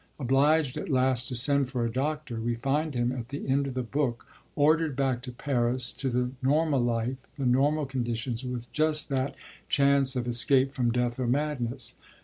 Obliged at last to send for a doctor, we find him, at the end of the book, ordered back to Paris, to the normal life, the normal conditions, with just that chance of escape from death or madness.